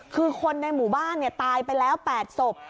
คือคนในหมู่บ้านตายไปแล้ว๘ศพ